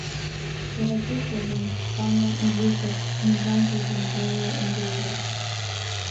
They had two children, Sonya and Rufus, and grandchildren Dio and Gabel.